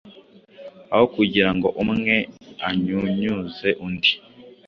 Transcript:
aho kugirango umwe anyunyuze undi